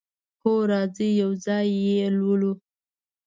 هو، راځئ یو ځای یی لولو